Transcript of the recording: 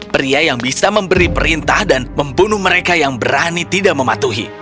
pria yang bisa memberi perintah dan membunuh mereka yang berani tidak mematuhi